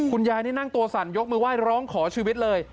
คุณยายนี่นั่งตัวสั่นยกมือไหว้ร้องขอชีวิตเลย